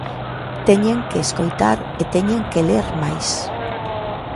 Teñen que escoitar e teñen que ler máis.